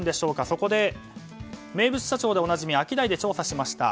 そこで、名物社長でおなじみアキダイで調査しました。